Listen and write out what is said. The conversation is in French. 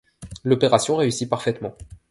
L’opération réussit parfaitement